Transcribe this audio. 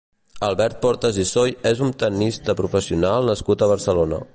Albert Portas i Soy és un tennista professional nascut a Barcelona.